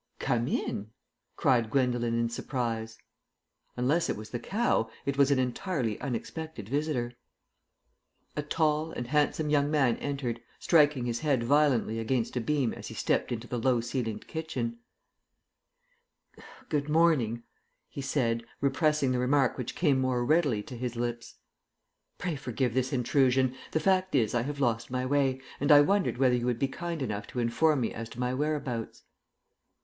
"Come in," cried Gwendolen in surprise. Unless it was the cow, it was an entirely unexpected visitor. A tall and handsome young man entered, striking his head violently against a beam as he stepped into the low ceilinged kitchen. "Good morning," he said, repressing the remark which came more readily to his lips. "Pray forgive this intrusion. The fact is I have lost my way, and I wondered whether you would be kind enough to inform me as to my whereabouts."